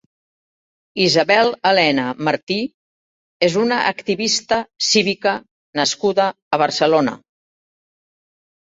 Isabel-Helena Martí és una activista cívica nascuda a Barcelona.